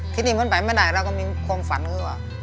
ที่นี้มันไปไม่ได้เราก็ไม่ความฝันอีกวะ